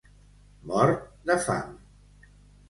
Mort de fam.